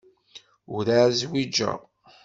Werεad zwiǧeɣ.